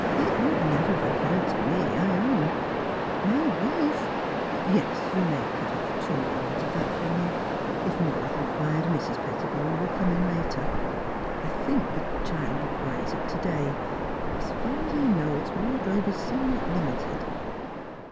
It would never have occurred to me, I own ; but my wife Yes ; you may cut off two yards of that flannel. If more is required, Mrs. Petti bone will come in later. I think the child re quires it to day. As far as I know, its wardrobe is somewhat limited."